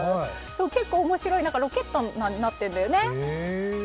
結構面白い、ロケットになっているんだよね。